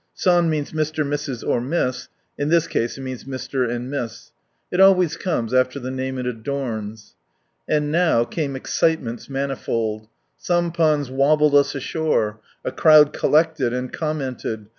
"San" means Mr., Mrs., or Miss. In this case it means Mr. and Miss. It always comes after the name it adorns. And now came excitements manifold. Sampans wobbled us ashore. A crowd collected and commented.